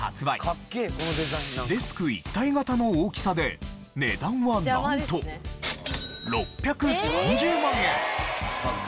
デスク一体型の大きさで値段はなんと６３０万円！